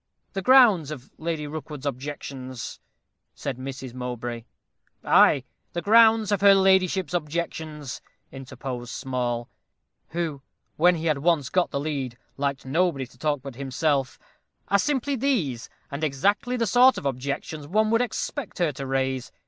"The grounds of Lady Rookwood's objections " said Mrs. Mowbray. "Ay, the grounds of her ladyship's objections," interposed Small, who, when he had once got the lead, liked nobody to talk but himself, "are simply these, and exactly the sort of objections one would expect her to raise.